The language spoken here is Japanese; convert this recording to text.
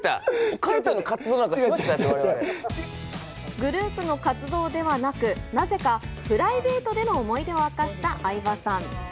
グループの活動ではなく、なぜかプライベートでの思い出を明かした相葉さん。